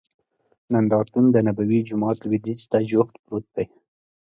نندارتون دنبوي جومات لوید یځ ته جوخت پروت دی.